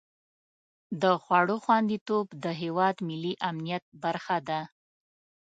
د خوړو خوندیتوب د هېواد ملي امنیت برخه ده.